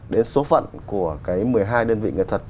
đến số phận của cái một mươi hai đơn vị nghệ thuật